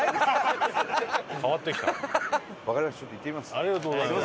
ありがとうございます。